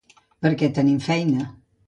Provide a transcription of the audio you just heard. Perquè tenim feina.